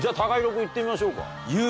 君いってみましょうか。